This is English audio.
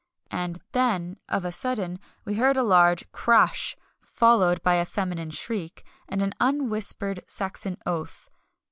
And then, of a sudden we heard a loud crash! followed by a feminine shriek, and an unwhispered Saxon oath.